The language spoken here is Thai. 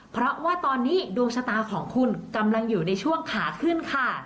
เพราะว่าตอนนี้ดวงชะตาของคุณกำลังอยู่ในช่วงขาขึ้นค่ะ